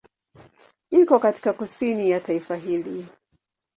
Iko katika kusini ya taifa hili.